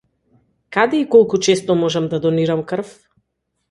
Каде и колку често можам да донирам крв?